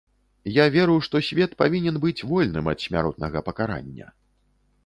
Я веру, што свет павінен быць вольным ад смяротнага пакарання.